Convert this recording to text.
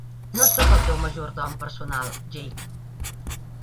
No soc el teu majordom personal, Jake.